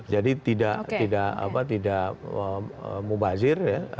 jadi tidak mubazir ya